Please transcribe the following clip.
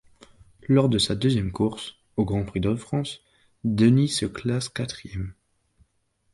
Lors de sa deuxième course, au Grand Prix de France, Denny se classe quatrième.